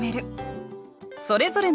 それぞれの「？」。